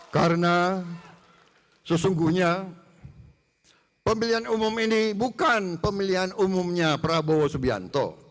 karena sesungguhnya pemilihan umum ini bukan pemilihan umumnya prabowo subianto